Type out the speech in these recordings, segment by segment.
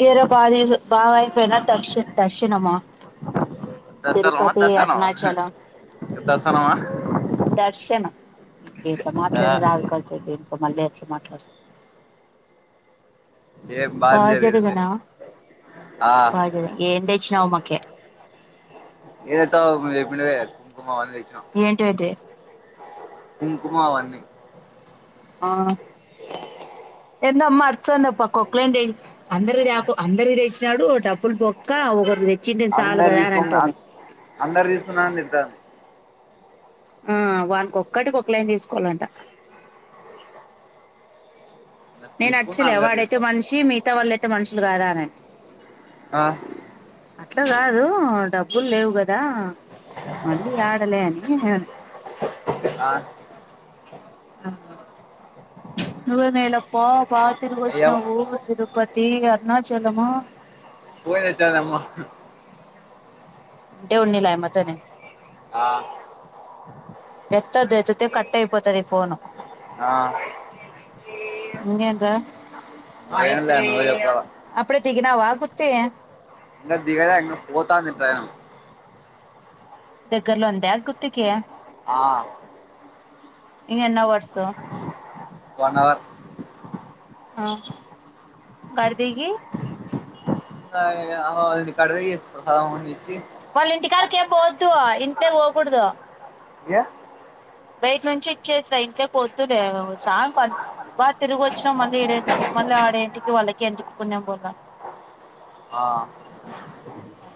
గీరబాది బాగా బాగా అయిపోయినా దక్ష దర్శనమా దసరమా తిరుపతి, దసనం అర్నాణాచలం దసనమా దర్శనం ఇంకే ఆ మాట్లాడం ఆకా మళ్ళీ వచ్చి మాట్లాడ ఏం బాగా జరిగింది పాజరుగనా ఆ పాజ ఎందేచ్చినావంమ్మ ఓకే ఏత ఉపుడు కుంకుమ తెచ్చినాం ఏంటేటే కుంకుమావన్నీ ఆహ్ ఎంతమ్మ అరుస్తాది ఒక్క కొక్లే అందరిదేపో అందరి వాడోచాడు డబ్బులు బొక్క ఒకరు తెచ్చిండిని చాలు కదా అని అంటనే అందర్తీసుకున్నా తిడతాంది ఆ వాన్కి ఒక్కటికిక్కలైన తీసుకోవాలంట తీసుకున్నా నేనచ్చలే అందరు వాడైతే తీసుకో మనిషి మిగతా వాళ్ళయితే మనుషులు కాదా అనంటి ఆ అట్టా కాదు డబ్బులు లేవు కదా మళ్ళీ ఆడలేని ఆ నువ్వె మేలప్పో బా అయ్యా తిరుగోచినవు తిరుపతి తీ అర్ణాచలమూ పోయి అచ్చామ్మా దేవు నిలాయమ తోనే ఆ కొత్తది ఎత్తుతే కట్ అయిపోతాది ఈ ఫోను ఆ ఇంకేంట్రా ఎంలే నువ్వే చెప్పాలా కుతేయ ఇంగదిగలే ఇంగ పోతంది ట్రైను దగ్గర్లో ఉందా గుత్తిక ఆ ఇంగ ఎన్ని హౌర్స్ ఒ వన్ అవర్ ఆ గర్థిగి [unintelligible] వళ్ళ ఇంటికడికేం పోఓద్దు ఏంటనే పోకూడదు ఏ బయట నుంచి ఇచ్చేస్ రా ఇంట్లకి వొద్దులే సామ్ బాగా తిరుగు వచ్చినా మళ్ళీ ఈడ ఎందుకు మళ్ళ ఆడే ఇంటికి వాళ్ళకి ఎందుకు పుణ్యం పోల ఆ ఆ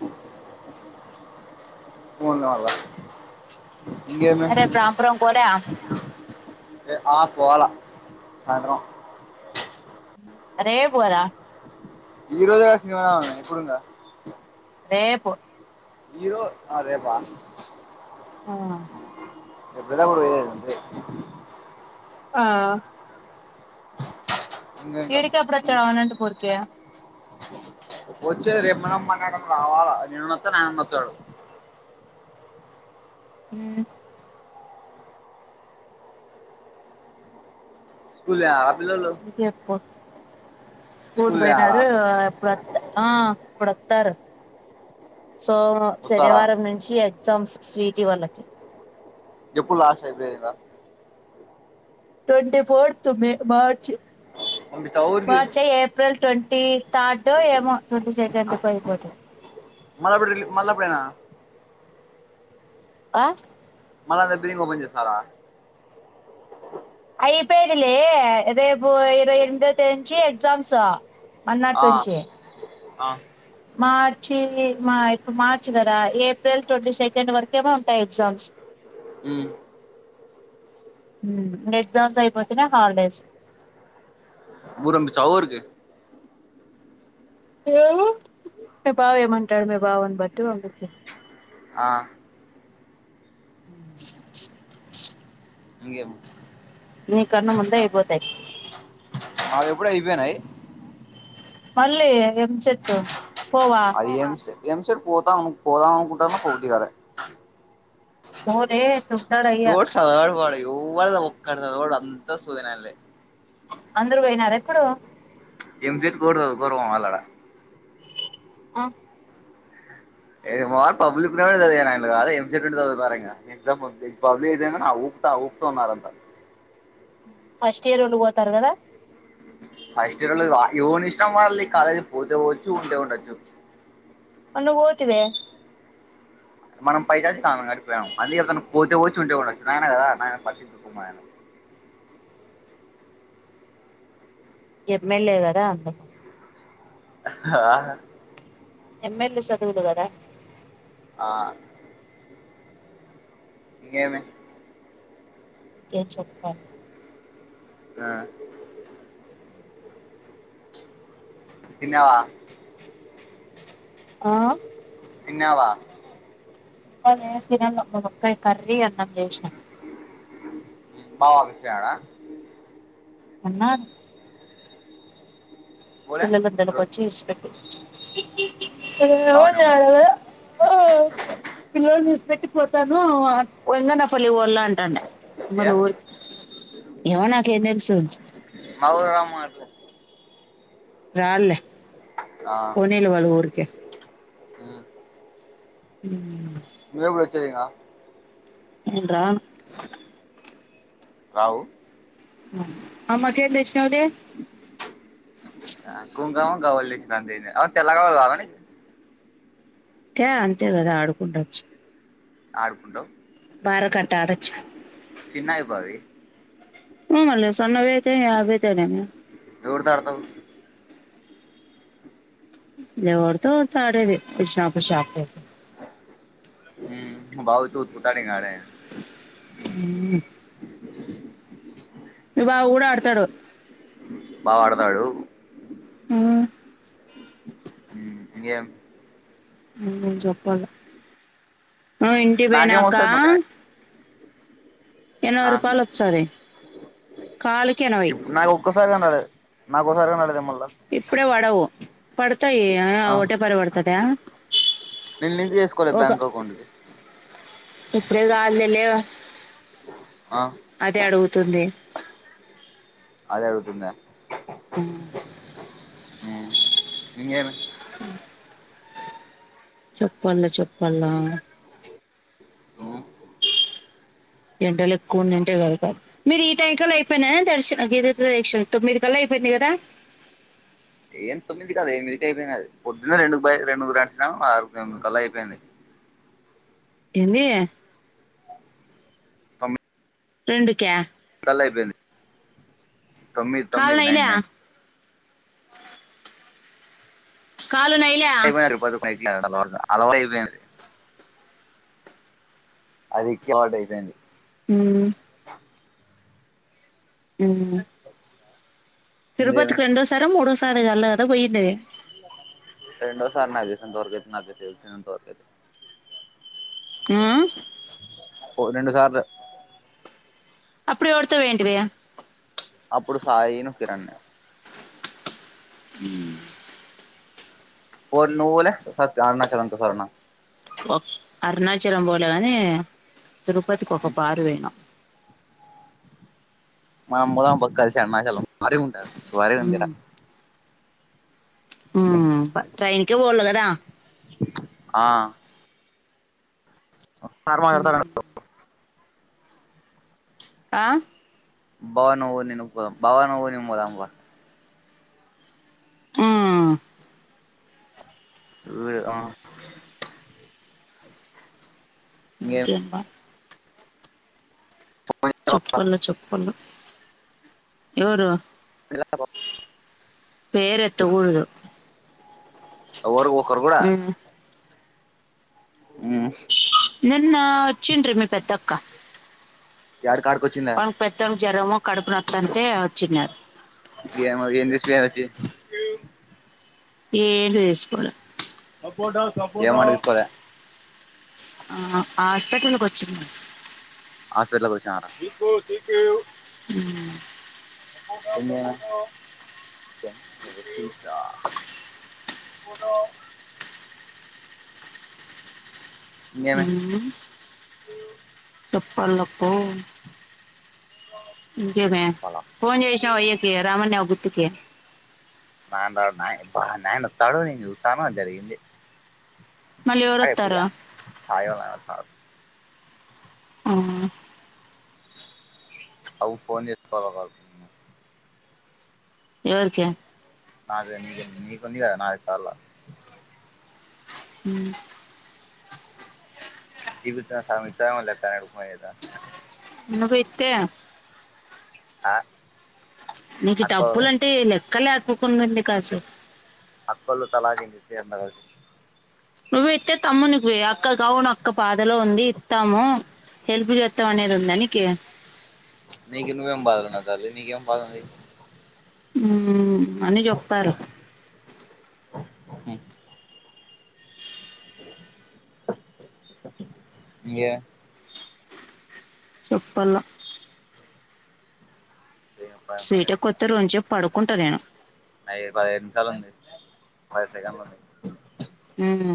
[unintelligible] ఇంకేమి అరే ప్రాంపురం పోలే ఆ పోల సయంట్రం రేప్ గదా ఈ రోజు కదా శనివారం ఎప్పుడుందా రేపు ఈరో ఆ రేపా ఆ ఎప్పుద్దాప్పుడు [unintelligible] ఆ ఇంకా ఇంకా ఈడికెప్పుడు వచవ అనంత పూరికి వచ్చే రేపు మన మనం రమ్మన్నా నాడు రావాల నేనున్న తిన ఆయన్నోత్తడు ఉ స్కూల ఇది ఎప్పు స్కూల్ పోయినారు ఎప్పుడొత్తర్ ఆ ఆప్పుడు తర్ సో వస్తారా శనివారం నుంచి సం స్వీటి వాళ్ళకి ఎప్పుడు లాస్ అయిపోయిందా ట్వంటి ఫోర్త్ మే మార్చ్ అమితాఊర్కి మార్చ్ ఏప్రిల్ ట్వంటీ థర్డ్ ఒ ఏమో ట్వంటీ సెకండుకు ఐపోతది మళ్లప్పుడి మళ్లప్పుడనా ఆ మళ్ళంత ప్రీంగ ఓపెన్ చేస్తారా అయిపోయిది లే రేపు ఇరవై ఎనిమిదో తేదంచి ఎగ్జామ్స్ ఆ, అన్నాటుంచి ఆ, మార్చి మా ఇప్పుడు మార్చి కదా ఏప్రిల్ ట్వంటీ సెకండ్ వరకేమో ఉంటాయి ఎగ్జామ్స్ ఉమ్ ఎగ్జామ్స్ అయిపోతేనే హాలిడేస్ ఊరంమి చా ఊరుకి ఏమో ఎ భావ ఏమంటాడ భావని బట్ట అ ఆ ఇంకేం మీ కన్నా ముందే ఇబోతాయి మావి ఎప్పుడ అయిపోనాయి మళ్ళీ ఎం సేట్టు అది ఏం ఏం సట్ పోతాం పోదాం అనుకుంటారన్న పోబుద్ధి కాలే పోరెతు [unintelligible] అందరు పోయినారు ఎప్పుడు ఏం సెట్ కోడు కోరువాం అళ్ళడ ఆ ఏది వ పబ్లిక్ద కాదు ఎ దాంట్లాడి కాదు ఎం సెట్ ఉంటె సాధువు పరెంగా ఎగ్జామ్ లేకపోతే పబ్లిక్ విధంగానే ఉపుత ఊపుతున్నారంత ఫస్ట్ ఇయర్ ఉండిపోతారు కదా ఫస్ట్ ఇయర్ వ ఓని ఇష్టం వలది కాలేజ్ పోతే పోచ్చు లేదంటే ఉండచు నువ్ పోతివే మనం పై చేసి కానం గడిపోయానాం అందుకే ఎతన పోతే పోచ్చు ఉంటే ఉండొచ్చు నాయన కదా నాయ పట్టియ ఎమ్మెల్యే గాద అందుకు హా ఎంఎల్ఏ చదువులు కదా ఆ ఇంకేమే ఇంకేం చెప్పల్ ఆ తిన్నావా ఆ తిన్నావా అన [unintelligible] కరీ అన్నం చేషన బావా మిస్స అయాడ అన్న పోలే ఈరోజు పిల్బందలకోచ్చి ఇస్ పెట్టి బాగానే [unintelligible] పిల్లలు తీస్ పెట్టి పోతాను ఒంగనా ఫలివ లా అంటండి మన ఏ ఊరికి ఏమో నాకేం తెలుసుంది మటలే రాల్లె పోనీలే వాళ్ళు ఊరికి ఆ ఉమ్ నువ్ ఎప్పుడు వచ్చేదిఇంకా నేన్ రాను రావు అమ్మ కేం రెస్ట్అంటే కవర్ లిస్తాండే ఆ తెలంగావారు కావాల నీకు క అంతే కదా ఆడుకుంట వచ్చు ఆడుకుంటావు బారా కటా అడాచ్ చిన్నవి బావ అవి ఉ మళ సన్న ఐతే అదే తినను ఎవరితో ఆడతావు లేవడుతో తాడేది షాపుషపూ మ్ భావొతు ఉతుకుతాడు ఇగ అడై ఉమ్ మీ బావ గూడ ఆడుతడు బాగా ఆడతాడు మ్ మ్ ఇంకేం మ్ నువ్ జేప్పాల అ ఇంటి నాకేం పోయినాక ఎనభై ఆహ్ రూపాయలు వస్తది కాలుకి ఎనభై ఇప్పు నా ఒ ఒక్కసారి గన్నాడే నాకొసారిగా అడదె మల్ ఇప్పుడే పడవు పడతాయి అ ఆ ఒటే పరి పడుతదా నేను లింక్ చేసుకోలే ఒక బ్యాంక్ అకౌంట్ కి ఇప్పుడే కాదులే లెవ్ ఆ అదే అడుగుతుంది అదే అడుగుతుందా అహ్ య ఇంగేమి చెప్పల్ చెప్పల ఎండలు ఎక్కువుంన్నయంటివి పొయింది గదా ఏం తొమ్మిది గదు ఎనిమిదికె అయిపోయింది నాది పొద్దున్న రెండుకు బయ రెండుకు రాడిచినం ఆరు కలా అయిపోయింది ఏందీ రెండుకె లైపొయింది తొమ్మిది కాలు తొమ్మిది నైన్ నైలా నైన్ కాలు నైనా [unintelligible] అలవాయిపోయింది అది ఎక్కి అటయిపోయింది మ్ ఉహ్మ్ ఇంకేమి తిరుపతికి రెండో సారో మూడో సారొ ఇగ అల రెండొసారి నాది తెలిసినంత వరకు నాకు తెలిసినంత వరకైతే ఆ పొ రెండు సార్ల అప్పుడెవడతొ పోయింటివి అప్పుడు సాయి ను కిరణ పొల్ నువ్వు పోలె అత్ అరుణాచలం తొ స్వర్ణ ఒ అరుణాచలం పోలే గనీ తిరుపతికి ఒక పారు పోయినా మా అమ్మల బక్ కలిసి అరుణాచలం వారిగుంటది వారిగుందట మ్ ట్రైన్కె పోవల గదా ఆ [inaudible] ఆ బావ నువ్వు నెను పోదం బావా నువ్వు నెను పోదం బావ ఆ విడు ఆహ్ ఇంకెన్ బా చెప్పలె చెప్పలిగా ఎవరు పేర ఎత్త ఊరుదు ఎవరు ఒకరు గూడా నిన్నా ఒచ్చిన్రి మీ పెద్దక్క? యాడి కాడికి వచ్చిందా వామ్ పెద్దమ్ జ్వరము కడుపునొత్తంటే వచ్చిన్నారు. ఏం ఏందీ శ్రీహరిషి ఏది వేసుకోడు [unintelligible] ఆ హాస్పిటల్ కి వచ్చిన హాస్పిటల్ కి వచ్చినారా? ఉమ్ నిన్నేవన్ తె తెలుసా బొండం ఇంకేమి ఉమ్ చెప్పాలి అబ్బో ఇంకేమి ఫోన్ చేసావా అయ్యకి రామన్నావ్ గుత్తుకే నాన రాడు నాయన్ అబ్బా నాయన వత్తాడు నేనుూసాను జరిగింది. మళ్ళీ అయపూయ్య ఎవరొత్తారు సాయం అ వత్తాడు. అవునా ప్చ్ అవ్ ఫోన్ జే ఎట్టుకోవాలి ఆగు ఎవరికి నాదే నిగ నీకు ఉంది కదా నయిదు సర్లా ఉమ్ [unintelligible] నువ్వు ఇత్తే ఆ నీకు డబ్బులు అంటే లెక్క లేకుకుడాంది కాసు అక్కోల్లు తలగింది సెత్త అన్నసి నువ్వే ఇత్తే తమ్మున్ని పోయ అక్క గౌను అక్క పాధలో ఉంది ఇత్తాము. హెల్ప్ చేత్తాం అనేది ఉందా నికి నీకు నువ్వే ఏం బాధలో ఉన్నావు తల్లి నీక ఏం బాధ ఇది. ఉమ్ అని చెప్తారు హు ఇంగే చెప్పల్లా పది నిమిషాలు స్వీటీ అక్క వత్తారు వంచిగా పడుకుంటా నేను. ఐదు పదైదు నిమిషాలు ఉంది. పది సెకండ్లు ఉంది. ఉమ్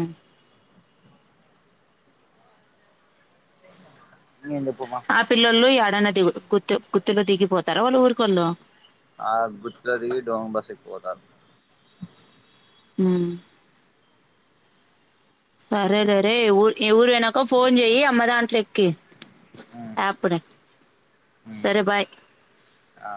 స్స ఆ పిల్లోలు యాడన్నా దిగు గు గుత్తులో దిగిపోతారా వాళ్ళు ఊరికోళ్ళు? ఆ గుత్తలో దిగి డోంబస్సెకి పోతారు. ఉమ్ ఉమ్ సరేలేరే ఊరు ఎ ఊరుయినాక ఫోన్ చెయ్యి అమ్మ దాంట్లో ఎక్కి ఉమ్ అప్పుడే ఉమ్ సరే బాయ్ ఆ